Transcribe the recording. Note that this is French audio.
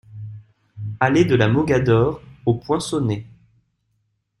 Allée de la Mogador au Poinçonnet